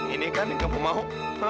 ini kan yang kamu mau